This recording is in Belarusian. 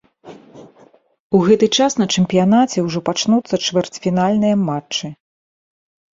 У гэты час на чэмпіянаце ўжо пачнуцца чвэрцьфінальныя матчы.